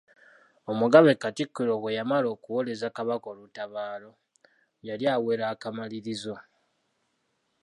Omugabe Katikkiro bwe yamala okuwoleza Kabaka olutabaalo, yali awera akamalirizo.